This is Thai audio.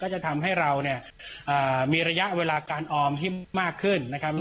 จะทำให้เราเนี่ยมีระยะเวลาการออมที่มากขึ้นนะครับ